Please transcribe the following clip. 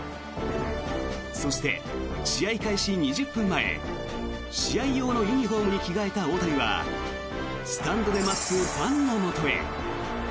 そして、試合開始２０分前試合用のユニホームに着替えた大谷はスタンドで待つファンのもとへ。